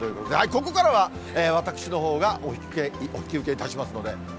ここからは、私のほうがお引き受けいたしますので。